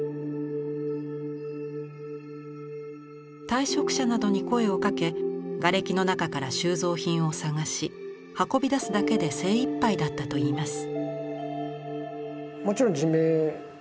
退職者などに声をかけがれきの中から収蔵品を捜し運び出すだけで精いっぱいだったといいます。